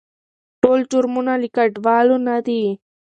ټول جرمونه له کډوالو نه دي.